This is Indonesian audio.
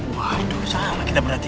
waduh salah kita berhenti